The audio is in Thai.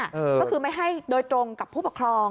ก็คือไม่ให้โดยตรงกับผู้ปกครอง